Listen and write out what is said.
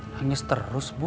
nangis terus bu